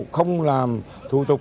không làm thủ tục